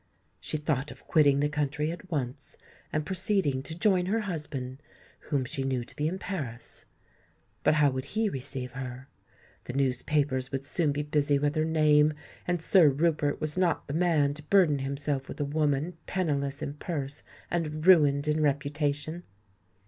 She thought of quitting the country at once, and proceeding to join her husband, whom she knew to be in Paris. But how would he receive her? The newspapers would soon be busy with her name; and Sir Rupert was not the man to burden himself with a woman penniless in purse and ruined in reputation.